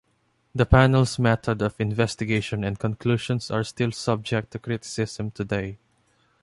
The panel's method of investigation and conclusions are still subject to criticism today.